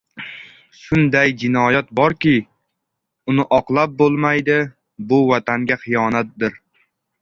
Shunday jinoyat borki, uni oqlab bo‘lmaydi,— bu vatanga xiyonatdir.